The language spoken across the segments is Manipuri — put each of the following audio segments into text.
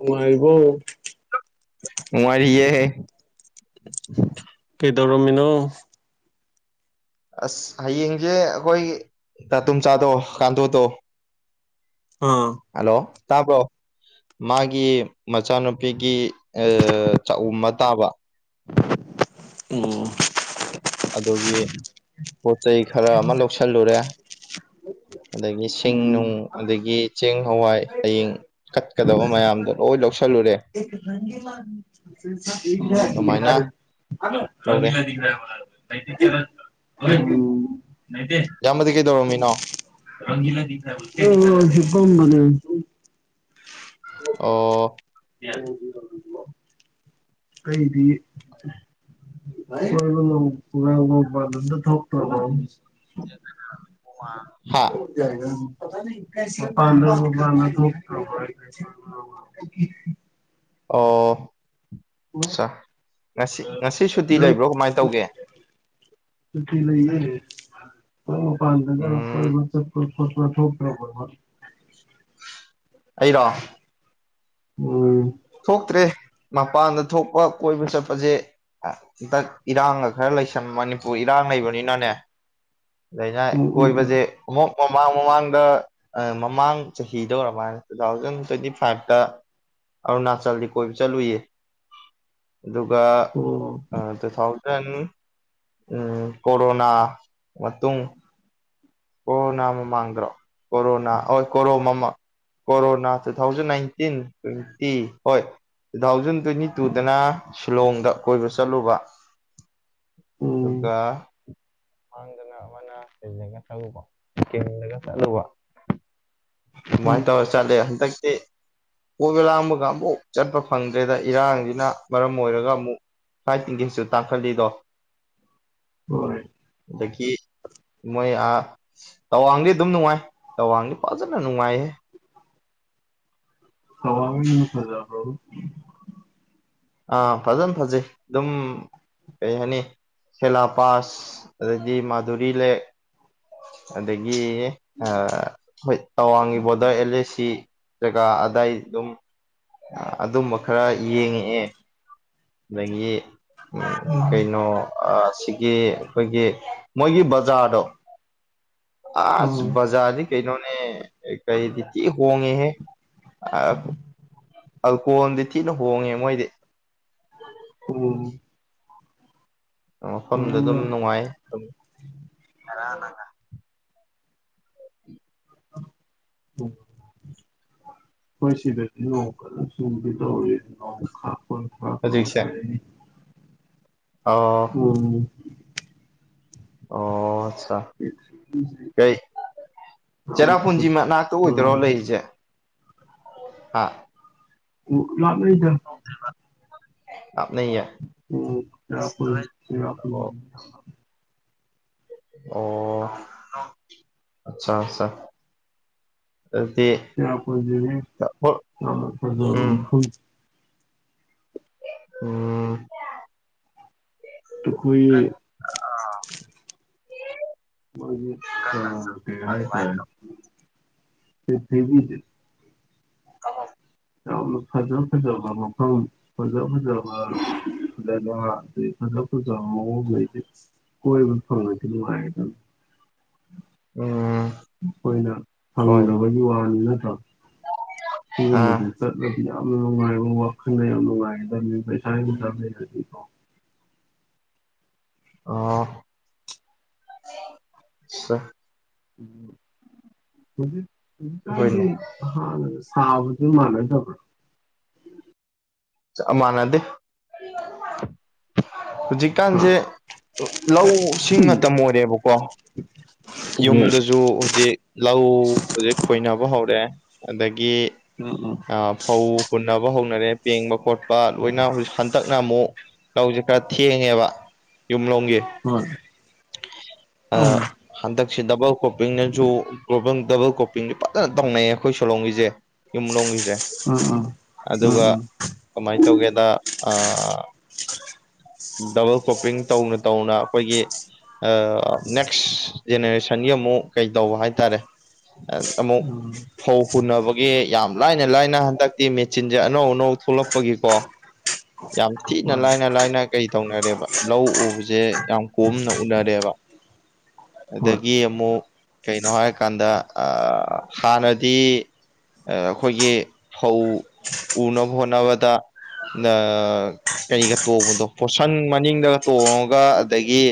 ꯅꯨꯪꯉꯥꯏꯔꯤꯕꯣ ꯅꯨꯪꯉꯥꯏꯔꯤꯌꯦ ꯀꯗꯧꯔꯃꯤꯅꯣ ꯑꯁ ꯍꯌꯦꯡꯁꯦ ꯑꯩꯈꯣꯏ ꯇꯥ ꯇꯝꯆꯥꯥꯗꯣ ꯀꯥꯟꯇꯣꯗꯣ ꯑꯥ ꯍꯜꯂꯣ ꯇꯥꯕꯔꯣ ꯃꯥꯒꯤ ꯃꯆꯥꯅꯨꯄꯤꯒꯤ ꯆꯥꯛꯎꯝꯕꯥ ꯇꯥꯕ ꯑꯣ ꯑꯗꯨꯒꯤ ꯄꯣꯠ ꯆꯩꯩ ꯈꯔ ꯑꯃ ꯂꯧꯁꯤꯜꯂꯨꯔꯦ ꯎ ꯑꯗꯒꯤ ꯁꯤꯡ ꯅꯨꯡ ꯑꯗꯒꯤ ꯆꯦꯡ ꯍꯋꯥꯏ ꯍꯌꯦꯡ ꯀꯠꯀꯗꯕ ꯃꯌꯥꯝꯗꯣ ꯂꯣꯏ ꯂꯧꯁꯜꯂ ꯑꯦꯗ ꯑꯗꯨꯃꯥꯏꯅ ꯔꯪꯂꯔ ꯂꯧꯔꯦ ꯃꯥ ꯏꯌꯥꯝꯕꯗꯤ ꯀꯩꯗꯧꯔꯝꯃꯤꯅꯣ ꯎꯝ ꯀꯒꯅꯤ ꯑꯣ ꯀꯩꯗꯤ ꯏꯒ ꯄꯨꯔ ꯃꯗ ꯊꯣꯛꯇ ꯎ ꯍꯥ ꯄꯥꯟꯒꯥ ꯊꯣꯛꯇꯔꯕꯣ ꯑꯣ ꯑꯆꯥ ꯉꯁꯤ ꯉꯁꯤ ꯁꯨꯇꯤ ꯅꯪ ꯂꯩꯕ꯭ꯔꯣ ꯀꯃꯥꯏꯅ ꯇꯧꯒꯦ ꯁꯨꯇꯤ ꯂꯩꯌꯦ ꯃꯄꯥꯟꯗꯅ ꯆꯄ ꯎꯝ ꯃꯄꯥꯜ ꯊꯣꯛꯇꯔꯕꯣꯕꯥ ꯑꯩꯔꯣ ꯎꯝ ꯄꯨꯊꯣꯛꯄ ꯀꯣꯏꯕ ꯆꯠꯄꯁꯦ ꯍꯟꯗꯛ ꯏꯔꯥꯡꯒ ꯈꯔ ꯂꯩꯁꯟ ꯃꯅꯤꯄꯨꯔ ꯏꯔꯥꯡ ꯂꯩꯕꯅꯤꯅꯅꯦ ꯑꯥꯅ ꯎꯝ ꯎꯝ ꯎꯝ ꯎꯝ ꯀꯣꯏꯕꯁꯦ ꯑꯃꯨꯛ ꯃꯃꯥꯡ ꯃꯃꯥꯡꯗ ꯃꯃꯥꯡ ꯆꯍꯤꯗ ꯑꯣꯏꯔꯃꯅ ꯇꯨ ꯊꯥꯎꯖꯟ ꯇ꯭ꯋꯦꯟꯇꯤ ꯐꯥꯏꯚꯇ [inaudible] ꯑꯔꯨꯅꯥꯆꯜꯗꯤ ꯀꯣꯏꯕ ꯆꯠꯂꯨꯌꯦ ꯑꯗꯨꯒ ꯑꯣ ꯇꯨ ꯊꯥꯎꯖꯟ ꯎꯝ ꯀꯣꯔꯣꯅꯥ ꯃꯇꯨꯡ ꯀꯣꯔꯣꯅꯥ ꯃ ꯃꯥꯥꯡꯗꯔꯣ ꯀꯣꯔꯣꯅꯥ ꯍ ꯀꯣꯔꯣꯃ corona two thousand nineteen twenty ꯍꯣꯏ ꯇꯨ ꯊꯥꯎꯖꯟ ꯇ꯭ꯋꯦꯟꯇꯤ ꯇꯨꯗꯅ ꯁꯤꯂꯣꯡꯗ ꯀꯣꯏꯕ ꯆꯠꯂꯨꯕ ꯎꯝ ꯑꯗꯨꯒ ꯃꯥꯡꯗꯅ ꯑꯃꯅ ꯂꯩꯒ ꯁꯤꯀꯤꯝ ꯆꯠꯂꯨꯕ ꯑꯗꯨꯃꯥꯏꯅ ꯎꯝ ꯇꯧꯔ ꯆꯠꯂꯦ ꯍꯟꯗꯛ ꯇ ꯀꯣꯏꯕ ꯂꯥꯡꯕꯒ ꯑꯃꯨꯛ ꯆꯠꯄ ꯐꯪꯗ꯭ꯔꯦꯗ ꯏꯔꯥꯡꯁꯤꯅ ꯃꯔꯝ ꯑꯣꯏꯔꯒ ꯑꯃꯨꯛ ꯐꯥꯔꯇꯠ ꯇꯤꯀꯦꯠꯁꯨ ꯇꯥꯡꯈꯠꯂꯤꯗꯣ ꯍꯣꯏ ꯑꯗꯒꯤ ꯃꯣꯏ ꯇꯋꯥꯡꯗꯤ ꯑꯗꯨꯝ ꯅꯨꯡꯉꯥꯏ ꯇꯋꯥꯡꯗꯤ ꯐꯥꯖꯅ ꯅꯨꯡꯉꯥꯏ ꯊꯋꯥꯡ ꯗꯨꯗꯤ ꯐꯖꯥꯕꯔꯣ꯫ ꯑꯥ ꯐꯖꯅ ꯐꯖꯩ ꯑꯗꯨꯝ ꯀꯩ ꯍꯥꯏꯅꯤ ꯁꯦꯂꯥ ꯄꯥꯁ ꯑꯗꯩꯗꯤ ꯃꯥꯗꯨꯔꯤ ꯂꯦꯛ ꯑꯗꯒꯤ ꯍꯣꯏ ꯇꯋꯥꯡꯒꯤ ꯕꯣꯔꯗꯔ ꯑꯦꯜ ꯑꯦ ꯁꯤ ꯖꯒꯥ ꯑꯗꯥꯏ ꯑꯗꯨꯝ ꯑꯗꯨꯝꯕ ꯈꯔ ꯌꯦꯡꯉꯛꯑꯦ ꯑꯗꯒꯤ ꯀꯩꯅꯣ ꯁꯤꯒꯤ ꯑꯩꯈꯣꯏꯒꯤ ꯃꯣꯏꯒꯤ ꯕꯖꯥꯔꯗꯣ ꯑꯥ ꯑꯁ ꯖꯔꯗꯤ ꯀꯩꯅꯩꯅꯣꯅꯦ ꯀꯩꯇ ꯍꯣꯡꯉꯦ ꯍꯦ ꯑꯜꯀꯣꯍꯣꯟꯗꯤ ꯊꯤꯅ ꯍꯣꯡꯉꯦ ꯃꯣꯏꯗꯤ ꯑꯣ ꯃꯐꯝꯗ ꯑꯗꯨꯝ ꯅꯨꯡꯉꯥꯏ [unintelligible] [unintelligible] ꯍꯣꯏ ꯁꯤꯕꯦ ꯁꯕꯤꯗ ꯈꯥꯛ ꯐ ꯈꯔ ꯍꯧꯖꯤꯛꯁꯦ ꯊꯅꯤ ꯑꯣ ꯎꯝ ꯑꯣ ꯕꯦꯇ꯭ꯔꯤꯁꯦ ꯀꯩ ꯌꯥꯝꯅ ꯆꯦꯔꯥꯄꯨꯟꯁꯤ ꯐꯠꯄ ꯃꯅꯥꯛꯇ ꯑꯣꯏꯗꯣꯏꯔꯣ ꯂꯩꯔꯤꯁꯦ ꯍꯥꯥ ꯑꯣ ꯂꯒꯅꯤꯗ ꯂꯥꯞꯅꯩꯌꯦ ꯎꯝ ꯁꯔꯣꯏ ꯁꯦꯔ ꯑꯣ ꯑꯣ ꯑꯆꯥ ꯑꯁ ꯆꯄ ꯆꯂꯣ ꯐꯔꯖꯕ ꯎꯝ ꯎꯝ ꯇ ꯈꯣꯏ ꯃ ꯑ ꯀ ꯍꯥꯏ ꯇ ꯐ ꯊꯦꯕꯤꯖ ꯑꯣ ꯐꯖ ꯐꯖꯕ ꯃꯐꯪ ꯐꯖꯥ ꯐꯖꯕ ꯂ ꯑꯗꯨ ꯈꯗ ꯐꯖꯗꯤ ꯀ ꯐꯪꯉꯨꯉꯥꯏꯗꯝ [inaudible] ꯎꯝ ꯑꯩꯈꯣꯏꯅ ꯍꯣꯏ ꯐꯪꯗꯕꯒꯤ ꯋꯥꯅꯤ ꯅꯠꯇ꯭ꯔꯣ ꯁꯤꯒꯨꯝꯕ ꯑꯥ ꯆꯠꯂꯗꯤ ꯌꯥꯝ ꯅꯨꯡꯉꯥꯏ ꯈꯪ ꯅꯨꯡꯉꯗ ꯄꯩꯁꯥ ꯍꯖꯥ ꯂꯩꯔꯀꯣ ꯑ [inaudible] [inaudible] ꯍꯣꯏꯅꯦ ꯀꯥꯟꯗꯤ ꯍ ꯐꯕꯗꯨ ꯃꯅꯗꯣ ꯑꯃꯅꯗꯦ ꯍꯧꯖꯤꯛꯀꯥꯟꯁꯦ ꯍꯥ ꯂꯧꯁꯤꯡ ꯃꯇꯝ ꯑꯣꯏꯔꯦꯕꯀꯣ ꯍꯣꯏ ꯌꯨꯝꯗꯁꯨ ꯍꯧꯖꯤꯛ ꯂꯧ ꯍꯧꯖꯤꯛ ꯈꯣꯏꯅꯕ ꯍꯧꯔꯑꯦ ꯑꯗꯒꯤ ꯎꯝ ꯎꯝ ꯐꯧ ꯍꯨꯟꯅꯕ ꯍꯧꯅꯔꯦ ꯄꯦꯡꯕ ꯈꯣꯠꯄ ꯂꯣꯏꯅ ꯍꯧ ꯍꯟꯗꯛꯅ ꯑꯃꯨꯛ ꯂꯧꯁꯦ ꯈꯔ ꯊꯦꯡꯉꯦꯕ ꯌꯨꯝ ꯍꯣꯏ [unintelligible] ꯑ ꯍꯟꯗꯛ ꯗꯕꯜ ꯀ꯭ꯔꯣꯄꯤꯡꯅꯁꯨ ꯗꯕꯜ ꯀꯣꯄꯤꯡꯁ ꯐꯖꯅ ꯇꯧꯅꯩꯌꯦ ꯑꯩꯈꯣꯏ ꯁꯣꯂꯣꯡꯒꯤꯁꯦ ꯌꯨꯝꯂꯣꯡꯒꯤꯦ ꯎꯝ ꯎꯝ ꯎꯝ ꯎꯝ ꯀꯃꯥꯏ ꯇꯧꯒꯦꯗ ꯑ [inaudible] ꯗꯕꯜ ꯀꯣꯄꯤꯡ ꯇꯧꯅ ꯇꯧꯅ ꯑꯩꯈꯣꯏꯒꯤ ꯅꯦꯛꯁ ꯖꯦꯅꯦꯔꯦꯁꯟꯒꯤ ꯑꯃꯨꯛ ꯀꯩ ꯇꯧꯕ ꯍꯥꯏꯇꯥꯔꯦ ꯑ ꯑꯃꯨ ꯎꯝ ꯎꯝ ꯐꯧ ꯍꯨꯟꯅꯅꯕꯒꯤ ꯌꯥꯝ ꯂꯥꯏꯅ ꯂꯥꯏꯅ ꯍꯟꯗꯛꯇꯤ ꯃꯦꯆꯤꯟꯁꯦ ꯑꯅꯧ ꯑꯅꯧ ꯊꯣꯛꯂꯛꯄꯒꯤꯀꯣ ꯌꯥꯝ ꯊꯤꯅ ꯍꯣꯏ ꯂꯥꯏꯅ ꯂꯥꯏꯅ ꯀꯩ ꯇꯧꯅꯔꯦꯕ ꯂꯧ ꯎꯕꯁꯦ ꯌꯥꯝ ꯀꯣꯝꯅ ꯎꯅꯔꯦꯕ ꯎ ꯑꯗꯒꯤ ꯑꯃꯨꯛ ꯀꯩꯅꯣ ꯍꯥꯏꯔꯀꯥꯟꯗ ꯑ ꯍꯥꯟꯅꯗꯤ ꯑꯩꯈꯣꯏꯒꯤ ꯐꯧ ꯎꯅꯕ ꯍꯣꯠꯅꯕꯗ ꯀꯔꯤꯒ ꯇꯣꯡꯕꯗꯣ ꯄꯣꯠꯁꯟ ꯃꯅꯤꯡꯗꯒ ꯇꯣꯡꯉꯒ ꯑꯗꯒꯤ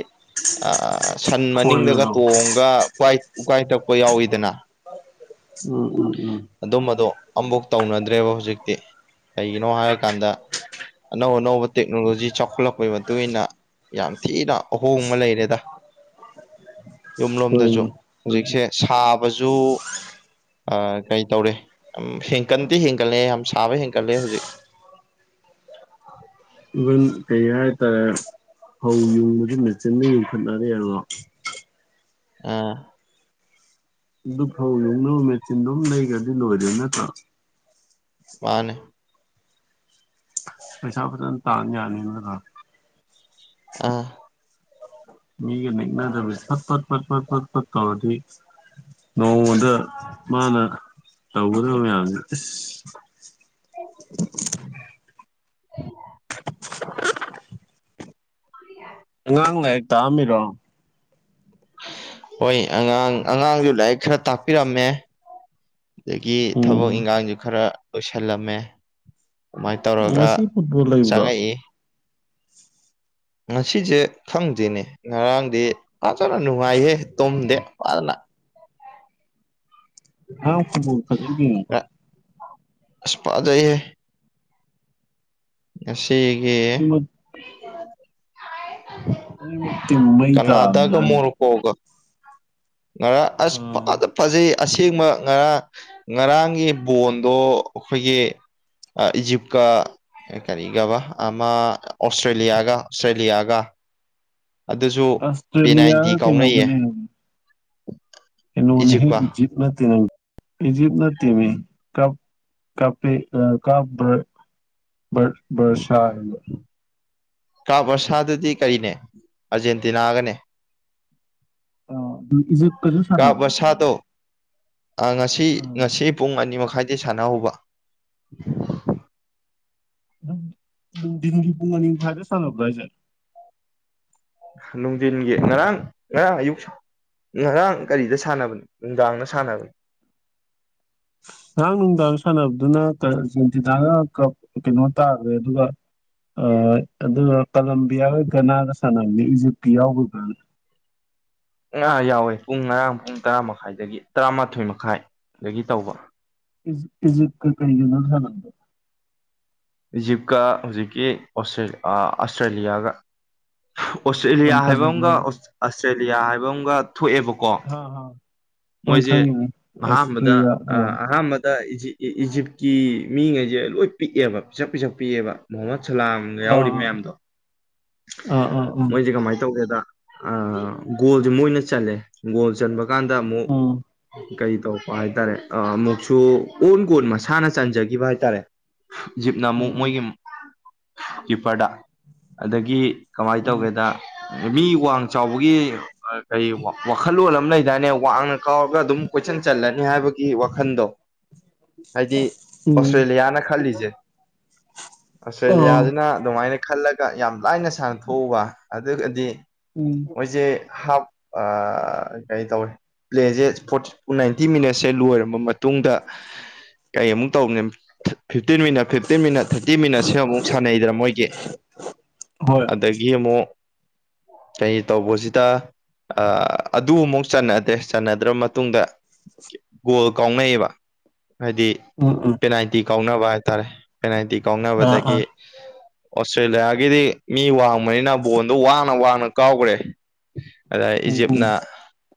ꯁꯟ ꯃꯅꯤꯡꯗꯒ ꯈꯣꯏꯒꯗꯣ ꯇꯣꯡꯉꯒ ꯎꯀꯥꯏ ꯇꯛꯄ ꯌꯥꯎꯋꯤꯗꯅ ꯎꯝ ꯎꯝ ꯎꯝ ꯑꯗꯨꯝꯕꯗꯣ ꯑꯃꯐꯧ ꯇꯧꯅꯗ꯭ꯔꯦꯕ ꯍꯧꯖꯤꯛꯇꯤ ꯀꯩꯒꯤꯅꯣ ꯍꯥꯏꯔꯀꯥꯟꯗ ꯑꯅꯧ ꯑꯅꯧꯕ ꯇꯦꯛꯅꯣꯂꯣꯖꯤ ꯆꯥꯎꯈꯠꯂꯛꯄꯒꯤ ꯃꯇꯨꯡ ꯏ ꯃꯇꯨꯡꯏꯟꯅ ꯌꯥꯝ ꯊꯤꯅ ꯑꯍꯣꯡꯕ ꯂꯩꯔꯦꯗ ꯌꯨꯝꯂꯣꯝꯗꯁꯨ ꯍꯣꯏꯅꯦ ꯍꯧꯖꯤꯛꯁꯦ ꯁꯥꯕꯁꯨ ꯀꯩ ꯇꯧꯔꯦ ꯍꯦꯟꯀꯟꯗꯤ ꯍꯦꯟꯒꯠꯂꯦ ꯌꯥꯝ ꯁꯥꯕ ꯍꯦꯟꯒꯠꯂꯦ ꯍꯧꯖꯤꯛ ꯏꯟ ꯀꯩ ꯍꯥꯏ ꯇꯔꯦ ꯌꯨꯡꯈꯠꯅꯔꯦꯕ ꯑ ꯑꯗꯨ ꯐꯧꯅ ꯃꯦꯆꯤꯟꯗꯨꯝ ꯂꯩꯈ꯭ꯔꯗꯤ ꯂꯣꯏꯔꯦ ꯅꯠꯇ꯭ꯔꯥ ꯃꯥꯅꯦ ꯄꯩꯁꯥ ꯐꯖꯅ ꯇꯥ ꯌꯥꯅꯤ ꯑꯗꯨꯗ ꯑꯥ ꯃꯤꯒ ꯗꯕꯤ ꯐꯠꯄ ꯐ ꯐ ꯄꯋꯥ ꯑꯗ ꯃꯥꯅ ꯇꯧꯒꯗꯧꯔꯤꯕ ꯃꯌꯥꯝꯁꯦ [inaudible] ꯎ [unintelligible] ꯑꯉꯥꯡꯅ ꯍꯦꯛ ꯇꯥꯛꯑꯝꯃꯤꯔꯣ ꯍꯣꯏ ꯑꯉꯥꯡ ꯑꯉꯥꯡꯁꯨ ꯂꯥꯏꯔꯤꯛ ꯈꯔ ꯇꯥꯛꯄꯤꯔꯝꯃꯦ ꯑꯗꯒꯤ ꯊꯕꯛ ꯎꯝ ꯏꯟꯈꯥꯡꯁꯨ ꯈꯔ ꯂꯣꯏꯁꯤꯜꯂꯝꯃꯦ ꯑꯗꯨꯃꯥꯏꯅ ꯇꯧꯔꯒ ꯉꯁꯤ ꯐꯨꯠꯕꯣꯜ ꯂꯩꯕ꯭ꯔꯣ ꯆꯪꯉꯛꯏ ꯉꯁꯤꯁꯦ ꯈꯪꯗ꯭ꯔꯤꯅꯦ ꯉꯔꯥꯡꯗꯤ ꯐꯖꯅ ꯅꯨꯡꯉꯥꯏꯍꯦ ꯇꯨꯝꯗꯦ ꯐꯅ ꯑꯥꯎ ꯐꯨꯠꯕꯜ ꯐꯖ ꯌꯦ ꯑꯁꯄꯥꯖꯏꯦ ꯑꯁꯤꯁꯒꯤ ꯑꯅꯤꯃꯛ ꯑ ꯃ ꯃꯩꯗ ꯀꯅꯥꯗꯥꯒ ꯉ ꯑꯁ ꯎꯝ ꯐꯖ ꯐꯖꯩ ꯑꯁꯦꯡꯕ ꯉꯔꯥꯡ ꯉꯔꯥꯡꯒꯤ ꯕꯣꯟꯗꯣ ꯑꯩꯈꯣꯏꯒꯤ ꯏꯖꯤꯞ ꯀ ꯑꯦ ꯀꯔꯤꯒꯕ ꯑꯃ ꯑꯣꯁꯇ꯭ꯔꯦꯂꯤꯌꯥꯒ ꯑꯣꯁꯇ꯭ꯔꯦꯂꯤꯌꯥꯒ ꯑꯗꯨꯁꯨ ꯑꯁꯇ꯭ꯔꯦꯂꯤꯌꯥ ꯄꯦꯅꯥꯏꯟꯇꯤ ꯀꯥꯎꯅꯩꯌꯦ ꯀꯩꯅꯧꯕꯅꯦ ꯑꯦꯅ ꯅ ꯏꯖꯤꯞꯀ ꯏꯖꯤꯞ ꯅ ꯇꯔ ꯏꯖꯤꯞ ꯅ ꯇꯤꯃꯤ ꯀ ꯀ ꯀ ꯔꯁꯔꯕ ꯀꯥꯞ ꯑꯁꯥꯗꯨꯗꯤ ꯀꯔꯤꯅꯦ ꯑꯥꯔꯖꯦꯟꯇꯤꯅꯥꯒꯅꯦ ꯑ ꯑꯗꯨ ꯏꯖꯠꯀꯖꯝ ꯀꯥꯞ ꯁꯥꯟꯅꯕꯅꯕ ꯅ ꯕꯔꯁꯥꯗꯣ ꯉꯁꯤ ꯉꯁꯤ ꯄꯨꯡ ꯑꯅꯤ ꯃꯈꯥꯏꯗꯩ ꯁꯥꯟꯅꯍꯧꯕ ꯝ ꯅꯨꯡꯊꯤꯟꯒꯤ ꯄꯨꯡ ꯑꯅꯤ ꯃꯈꯥꯏꯗ ꯁꯥꯟꯅꯕ꯭ꯔꯥ ꯍꯥꯏꯁꯦ ꯅꯨꯡꯊꯤꯟꯒꯤ ꯉꯔꯥꯡ ꯉꯔꯥꯡ ꯑꯌꯨꯛꯁꯪ ꯉꯔꯥꯡ ꯀꯔꯤꯗ ꯁꯥꯟꯅꯕꯅꯣ ꯅꯨꯡꯗꯥꯡꯗ ꯁꯥꯟꯅꯕꯅꯤ ꯉꯔꯥꯡ ꯅꯨꯡꯗꯥꯡ ꯗ ꯁꯟꯅꯕꯅꯦ ꯑꯗꯨꯅ ꯑꯔꯖꯦꯟꯇꯤꯅꯥꯅ ꯀꯩꯅꯣ ꯇꯥꯈꯦ ꯑꯗꯨꯒ ꯑ ꯑꯗꯨꯒ ꯀꯂꯝꯕꯤꯌꯥꯒꯤꯒ ꯒꯥꯅꯥ ꯒ ꯁꯥꯟꯅꯕꯅꯦ ꯏꯖꯤꯞꯀꯤ ꯌꯥꯎꯕꯒ ꯉꯥ ꯌꯥꯎꯋꯦ ꯄꯨꯡ ꯉꯔꯥꯡ ꯄꯨꯡ ꯇꯔꯥ ꯃꯈꯥꯏꯗꯒꯤ ꯇꯔꯥꯃꯥꯊꯣꯏ ꯃꯈꯥꯏꯗꯒꯤ ꯇꯧꯕ ꯏꯖꯤ ꯏꯖꯤꯞꯀ ꯀꯩ ꯒ ꯅꯣ ꯁꯟꯅꯕ ꯗꯣ ꯏꯖꯤꯞꯀ ꯍꯧꯖꯤꯛꯀꯤ꫰ꯑꯁꯇ꯭ꯔꯦꯂꯤꯌꯥꯒ ꯑꯣꯁꯇ꯭ꯔꯦꯂꯤꯌꯥ ꯌꯥꯝ ꯍꯥꯏꯕ ꯑꯃꯒ ꯐꯖꯕ꯭ꯔꯕ ꯑꯁꯇ꯭ꯔꯦꯂꯤꯌꯥ ꯍꯥꯏꯕ ꯑꯃꯝꯒ ꯊꯣꯛꯑꯦꯕꯀꯣ ꯍꯥ ꯍꯥ ꯍꯣꯏ ꯃꯣꯏꯁꯦ ꯈꯪꯉꯤꯅꯦ ꯑꯍꯥꯟꯕꯗ ꯑꯁꯇ꯭ꯔꯤꯌꯥ ꯑ ꯑꯥ ꯑꯍꯥꯟꯕ ꯇ ꯏꯖꯤ ꯏꯖꯤꯞꯀꯤ ꯃꯤꯉꯩꯁꯦ ꯂꯣꯏ ꯄꯤꯛꯑꯦꯕ ꯄꯤꯁꯛ-ꯄꯤꯁꯛ ꯄꯤꯛꯑꯦꯕ ꯃꯣꯍꯃꯠ ꯁꯂꯥꯝꯒ ꯌꯥꯎꯔꯤ ꯃꯌꯥꯝꯗꯣ꯫ ꯑ ꯑ ꯑ꯫ ꯇꯧꯋꯦꯗ ꯑ ꯒꯣꯜꯁꯦ ꯃꯣꯏꯅ ꯆꯜꯂꯦ ꯒꯣꯜ ꯆꯟꯕ ꯀꯥꯟꯗ ꯑꯃꯨꯛ ꯑꯥ ꯀꯩ ꯇꯧꯕ ꯍꯥꯏꯇꯥꯔꯦ ꯑꯃꯨꯛꯁꯨ ꯑꯣꯟ ꯀꯣꯟ ꯃꯁꯥꯅ ꯆꯟꯖꯈꯤꯕ ꯍꯥꯏꯇꯥꯔꯦ꯫ ꯖꯤꯞꯅ ꯑꯃꯨꯛ ꯎꯝ ꯎꯝ ꯃꯣꯏꯒꯤ ꯀꯤꯄꯥꯔꯗ꯫ ꯑꯗꯒꯤ ꯀꯃꯥꯏꯅ ꯎꯝ ꯇꯧꯒꯦꯗ ꯃꯤ ꯋꯥꯡ ꯆꯥꯎꯕꯒꯤ ꯀꯔꯤ ꯋꯥꯈꯜꯂꯣꯟ ꯑꯃ ꯂꯩꯗꯥꯏꯅꯦ ꯋꯥꯡꯅ ꯀꯥꯎꯔꯒ ꯑꯗꯨꯝ ꯀꯣꯏꯆꯥꯟ ꯆꯜꯂꯅꯤ ꯍꯥꯏꯕꯒꯤ ꯋꯥꯈꯟꯗꯣ꯫ ꯍꯥꯏꯗꯤ ꯎꯝ ꯑꯣꯁꯇ꯭ꯔꯦꯂꯤꯌꯥꯅ ꯈꯜꯂꯤꯁꯦ꯫ ꯎꯝ ꯑꯁꯇ꯭ꯔꯦꯂꯤꯌꯥꯁꯤꯅ ꯑꯗꯨꯃꯥꯏꯅ ꯈꯜꯂꯒ ꯌꯥꯝ ꯂꯥꯏꯅ ꯁꯥꯡꯅꯊꯣꯛꯎꯕ ꯑꯗꯨꯒꯗꯤ ꯎꯝ ꯃꯣꯏꯁꯦ ꯍꯥꯞ ꯑ ꯀꯩ ꯇꯧꯋꯤ ꯄ꯭ꯂꯦꯁꯦ ꯐꯣꯔꯇꯤ ꯅꯥꯏꯟꯇꯤ ꯃꯤꯅꯠꯁꯦ ꯂꯣꯏꯔꯕ ꯃꯇꯨꯡꯗ ꯀꯩꯃꯨꯛ ꯇꯧꯕꯅꯤ fifteen minute fifteen minute thirty ꯃꯤꯅꯠꯁꯤ ꯑꯃꯨꯛ ꯁꯥꯟꯅꯩꯗꯅ ꯃꯣꯏꯒꯤ꯫ ꯍꯣꯏ ꯑꯗꯒꯤ ꯑꯃꯨꯛ [inaudible] ꯀꯩ ꯇꯧꯕꯁꯤꯗ ꯑꯥ ꯑꯗꯨ ꯑꯃꯨꯛ ꯆꯟꯅꯗ꯭ꯔꯦ ꯆꯟꯅꯗ꯭ꯔ ꯃꯇꯨꯡꯗ ꯒꯣꯜ ꯀꯥꯎꯅꯩꯌꯦꯕ꯫ ꯍꯥꯏꯗꯤ ꯎꯝ ꯎꯝ ꯄꯦꯅꯥꯜꯇꯤ ꯀꯥꯎꯅꯕ ꯍꯥꯏꯇꯥꯔꯦ ꯄꯦꯅꯥꯜꯇꯤ ꯑꯥ ꯑꯥ ꯀꯥꯎꯅꯕꯗꯒꯤ ꯑꯁꯇ꯭ꯔꯦꯂꯤꯌꯥꯒꯤꯗꯤ ꯃꯤ ꯋꯥꯡꯕꯅꯤꯅ ꯕꯣꯟꯗꯣ ꯋꯥꯡꯅ ꯋꯥꯡꯅ ꯀꯥꯎꯈ꯭ꯔꯦ꯫ ꯑꯗ ꯎꯝ ꯎꯝ ꯏꯖꯤꯞꯅ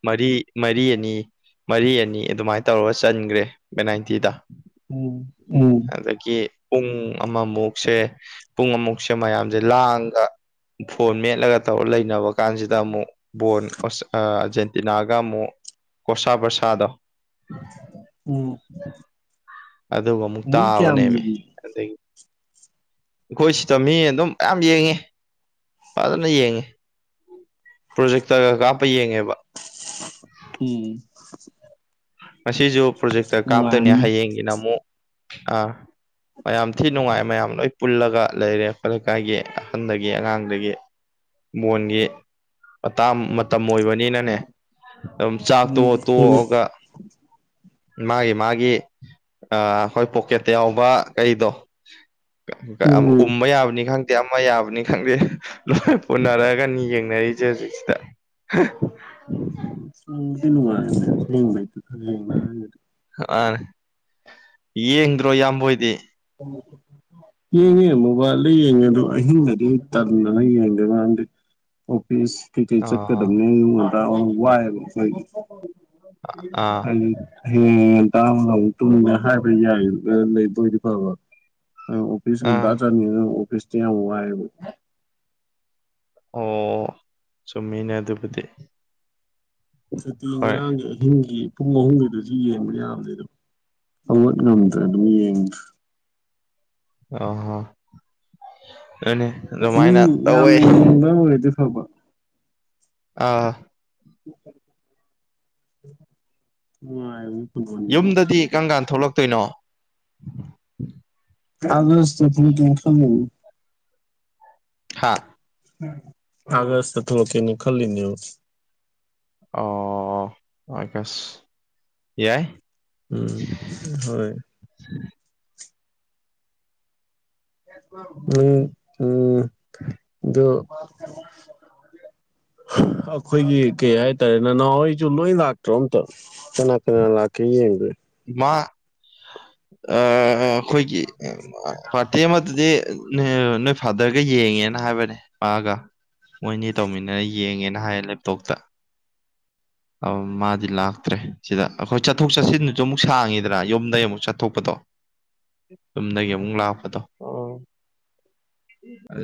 ꯃꯔꯤ ꯃꯔꯤ ꯑꯅꯤ ꯃꯔꯤ ꯑꯅꯤ ꯑꯗꯨꯃꯥꯏꯅ ꯇꯧꯔꯒ ꯆꯟꯈ꯭ꯔꯦ ꯄꯦꯅꯥꯟꯇꯤꯗ꯫ ꯎꯝ ꯎꯝ꯫ ꯄꯨꯡ ꯑꯃꯃꯨꯛꯁꯦ ꯄꯨꯡ ꯑꯃꯨꯛ ꯁꯦ ꯃꯌꯥꯝꯁꯦ ꯂꯥꯡꯒ ꯐꯣꯟ ꯃꯦꯠꯂꯒ ꯇꯧꯔ ꯂꯩꯅꯕ ꯀꯥꯟꯁꯤꯗ ꯑꯃꯨꯛ ꯕꯣꯟ ꯑꫭꯁ ꯑꯥꯔꯖꯦꯟꯇꯤꯅꯥꯒ ꯑꯃꯨꯛ ꯀꯣꯁꯥ ꯕꯔꯁꯥꯗꯣ ꯎꯝ ꯑꯗꯨꯒ ꯑꯃꯨꯛ ꯃꯤ ꯀꯌꯥꯝ ꯇꯥꯕꯅꯦꯃꯤ ꯌꯦꯡꯉꯤ ꯑꯗꯒꯤ ꯑꯩꯈꯣꯏ ꯁꯤꯗ ꯃꯤ ꯑꯗꯨꯝ ꯃꯌꯥꯝ ꯌꯦꯡꯉꯤ ꯐꯖꯅ ꯌꯦꯡꯉꯤ꯫ ꯄ꯭ꯔꯣꯖꯦꯛꯇꯔꯒ ꯀꯥꯞꯄꯒ ꯌꯦꯡꯉꯦꯕ꯫ ꯎꯝ꯫ ꯉꯁꯤꯁꯨ ꯄ꯭ꯔꯣꯖꯦꯛꯇ ꯀꯥꯞꯇꯣꯏꯅꯦ ꯅꯨꯡꯉꯥꯏꯔꯝꯅꯤ ꯍꯌꯦꯡꯒꯤꯅ ꯑꯃꯨꯛ ꯑꯥ ꯃꯌꯥꯝ ꯊꯤ ꯅꯨꯡꯉꯥꯏ ꯃꯌꯥꯝ꯫ ꯂꯣꯏ ꯄꯨꯜꯂꯒ ꯂꯩꯔꯦ ꯑꯩꯈꯣꯏ ꯂꯩꯀꯥꯏꯒꯤ ꯑꯍꯟꯗꯒꯤ ꯑꯉꯥꯡꯗꯒꯤ꯫ ꯕꯣꯟꯒꯤ ꯑꯇꯥꯝ ꯃꯇꯝ ꯑꯣꯏꯕꯅꯤ ꯅꯤꯅꯅꯦ ꯑꯗꯨꯝ ꯆꯥꯛ ꯇꯣꯛꯑ ꯎꯝ ꯍꯣꯏꯅꯦ ꯇꯣꯛꯑꯒ ꯃꯥꯒꯤ-ꯃꯥꯒꯤ ꯑ ꯍꯣꯏ ꯄꯣꯀꯦꯠꯇ ꯌꯥꯎꯕ ꯀꯩꯗꯣ ꯎꯝ ꯎꯝ ꯎꯝꯕ ꯌꯥꯕꯅꯤ ꯈꯪ ꯗꯤ ꯑꯃ ꯌꯥꯕꯅꯤ ꯈꯪꯗꯦ ꯂꯣꯏ ꯄꯨꯅꯔꯛꯑꯒꯅꯤ ꯌꯦꯡꯅꯔꯤꯁꯦ ꯍꯧꯖꯤꯛ ꯁꯤꯗ꯫ [unintelligible] ꯑꯁ ꯅꯨꯡꯕꯨꯗꯤ ꯅꯨꯡꯉꯥꯏꯕꯅꯦ ꯍꯦꯡꯕꯩꯗꯨ [inaudible] ꯃꯥꯅꯦ꯫ ꯌꯦꯡꯗ꯭ꯔꯣ ꯏꯌꯥꯝꯕ ꯍꯣꯏꯗꯤ꯫ [unintelligible] ꯌꯦꯡꯉꯦ ꯃꯣꯕꯥꯏꯜꯗ ꯌꯦꯡꯉꯦ ꯑꯗꯨ ꯑꯍꯤꯡꯗꯗꯤ ꯑꯩ ꯇꯟꯗꯥꯅ ꯌꯦꯡꯗꯦꯗ ꯃꯔꯝꯗꯤ ꯑꯣ ꯄꯤꯁ ꯀꯩꯀꯩ ꯑꯥ ꯆꯠꯀꯗꯕꯅꯦ ꯑꯥꯌꯨꯛ ꯉꯟꯇ ꯑꯃꯨꯛ ꯋꯥꯏꯑꯦꯕ ꯑꯩꯈꯣꯏꯒꯤ꯫ ꯑꯥ [inaudible] ꯍꯌꯦꯡ ꯇꯥ ꯑꯃꯨꯛ ꯇꯨꯝꯃꯦ ꯍꯥꯏꯕ ꯌꯥꯏ ꯂꯩꯕ ꯑꯣꯏꯗꯤ ꯐꯕ꯫ ꯑꯣꯐꯤꯁ ꯑꯥ ꯉꯟꯇꯥ ꯆꯠꯂꯤꯃꯤꯅ ꯑꯣꯐꯤꯁꯇꯤ ꯌꯥꯝ ꯋꯥꯏꯌꯦꯕ ꯑꯣ ꯆꯨꯝꯃꯤꯅꯦ ꯑꯗꯨꯕꯨꯗꯤ ꯁꯨꯇꯤ ꯍꯣꯏ ꯉꯔꯥꯡꯒꯤ ꯑꯍꯤꯡꯒꯤ ꯄꯨꯡ ꯑꯍꯨꯝꯒꯤꯗꯨꯗꯤ ꯌꯦꯡꯕ ꯌꯥꯕꯅꯦ ꯑꯗꯣ ꯍꯧꯒꯠ ꯉꯝꯗ꯭ꯔꯦ ꯑꯗꯨꯝ ꯌꯦꯡꯗ꯭ꯔꯦ ꯑꯣ ꯍꯣ ꯃꯤ ꯌꯥꯝꯅ ꯌꯦꯡꯕ ꯑꯣꯏꯔꯗꯤ ꯐꯕ ꯑꯥ ꯅꯨꯡꯉꯥꯏꯕꯅꯦ ꯌꯨꯝꯗꯗꯤ ꯀꯝꯀꯥꯟ ꯊꯣꯛꯂꯛꯇꯣꯏꯅꯣ ꯑꯗ ꯊ ꯇ [unintelligible] ꯍꯥꯥ ꯑꯥꯒꯁꯇ ꯊꯣꯛꯂꯛꯀꯦꯅ ꯈꯜꯂꯤꯅꯦꯕ ꯑꯣ ꯑꯥꯒꯁꯠ ꯌꯥꯏ ꯎꯝ ꯍꯣꯏ ꯎꯝ ꯎꯝ ꯑꯗꯣ [unintelligible] ꯑꯩꯈꯣꯏꯒꯤ ꯀꯩ ꯍꯥꯏꯇꯥꯔꯦ ꯅꯅꯥꯎꯍꯣꯏꯁꯨ ꯂꯣꯏ ꯂꯥꯛꯇ꯭ꯔꯣ ꯑꯝꯇ ꯀꯅꯥ ꯀꯅꯥ ꯂꯥꯛꯀꯦ ꯌꯦꯡꯒꯦ ꯃꯥ ꯑꯩꯈꯣꯏꯒꯤ ꯄꯥꯔꯇꯤ ꯑꯃꯗꯨꯗꯤ ꯅꯣꯏ ꯐꯥꯗꯔꯒ ꯌꯦꯡꯉꯦꯅ ꯍꯥꯏꯕꯅꯦ ꯃꯥꯒ ꯃꯣꯏꯅꯤ ꯇꯧꯃꯤꯟꯅꯔ ꯌꯦꯡꯉꯦꯅ ꯍꯥꯏꯌꯦ ꯂꯦꯞꯇꯣꯞꯇ ꯑ ꯃꯥꯗꯤ ꯂꯥꯛꯇ꯭ꯔꯦ ꯁꯤꯗ ꯑꯩꯈꯣꯏ ꯆꯠꯊꯣꯛ ꯆꯠꯁꯤꯟ ꯁꯨ ꯑꯃꯨꯛ ꯁꯥꯡꯉꯤꯗꯅ ꯌꯨꯝꯗꯒꯤ ꯑꯃꯨꯛ ꯆꯠꯊꯣꯛꯄꯗꯣ ꯌꯨꯝꯗꯒꯤ ꯑꯃꯨꯛ ꯂꯥꯛꯄꯗꯣ [unintelligible]